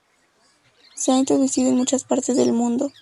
Se ha introducido en muchas partes del mundo.